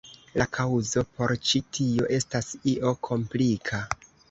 La kaŭzo por ĉi tio estas io komplika.